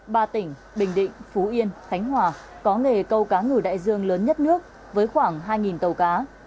ba tỉnh bình định phú yên khánh hòa có nghề câu cá ngừ đại dương lớn nhất nước với khoảng hai tàu cá